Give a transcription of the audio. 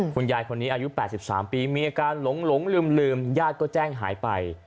คุณยายคนนี้อายุ๘๓ปีมีอาการหลงลืมญาติก็แจ้งหายไป